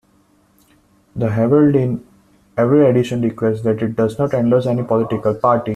The Herald in every edition declares that it does not endorse any political party.